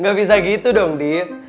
tidak bisa begitu dill